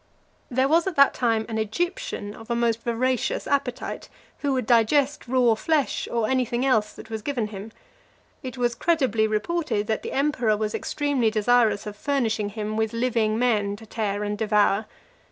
There was at that time an Egyptian of a most voracious appetite, who would digest raw flesh, or any thing else that was given him. It was credibly reported, that the emperor was extremely desirous of furnishing him with living men to tear and devour.